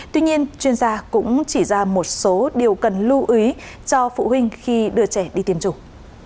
tuy nhiên chuyên gia cũng chỉ ra một số điều cần lưu ý cho phụ huynh khi đưa trẻ đi tiêm chủng